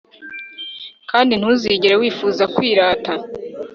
Kandi ntuzigere wifuza kwirata